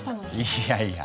いやいや。